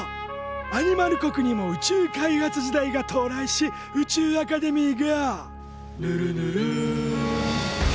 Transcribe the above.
アニマル国にも宇宙開発時代が到来し宇宙アカデミーが「ぬるぬるっ」と誕生。